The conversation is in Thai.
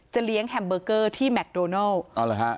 เลี้ยงแฮมเบอร์เกอร์ที่แมคโดนัลอ๋อเหรอฮะ